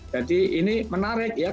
jadi ini menarik ya